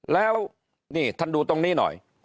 แล้วนี่ท่านดูตรงนี้หน่อย